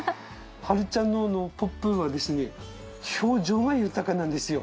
はるちゃんのＰＯＰはですね表情が豊かなんですよ。